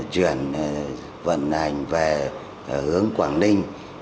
chuyển vận hành về hướng quảng ninh